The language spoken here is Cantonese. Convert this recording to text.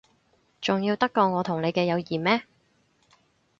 重要得過我同你嘅友誼咩？